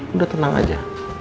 udah tenang aja